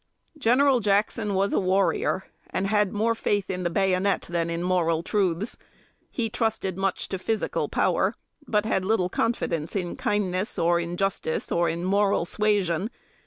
General Jackson was a warrior, and had more faith in the bayonet than in moral truths. He trusted much to physical power, but had little confidence in kindness, or in justice or moral suasion.